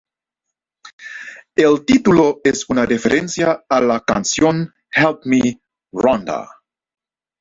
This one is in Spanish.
El título es una referencia a la canción Help Me, Rhonda.